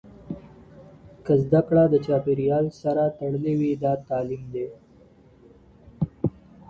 که زده کړه له چاپېريال سره تړلې وي دا تعليم دی.